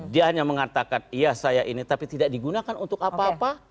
dia hanya mengatakan iya saya ini tapi tidak digunakan untuk apa apa